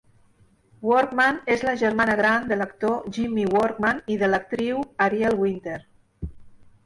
Workman és la germana gran de l'actor Jimmy Workman i de l'actiu Ariel Winter.